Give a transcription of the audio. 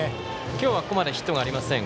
今日はここまでヒットがありません。